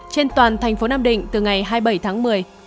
trên toàn thành phố nam định từ ngày hai mươi bảy tháng một mươi